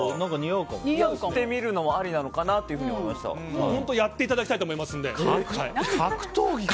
やってみるのもありなのかなとやっていただきたいと格闘技か。